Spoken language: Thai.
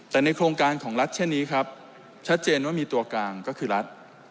แต่ในโครงการของรัฐเช่นนี้ครับชัดเจนว่ามีตัวกลางก็คือรัฐ